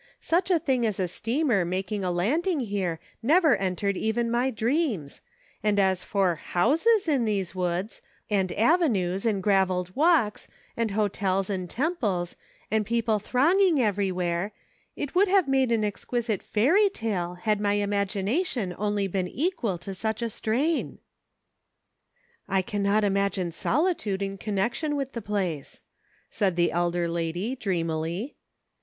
Such a thing as a steamer making a landing here never entered even my dreams ; and as for houses in these woods, and avenues, and graveled walks, and hotels and temples, and people thronging everywhere, it would have made an exquisite fairy tale had my imagina tion only been equal to such a strain." " I cannot imagine solitude in connection with the place," said the elder lady, dreamily.